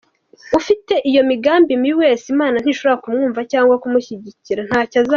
Ufite iyo migambi mibi wese Imana ntishobora kumwumva cyangwa kumushyigikira, ntacyo azageraho.